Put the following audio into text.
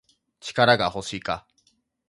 力が欲しいか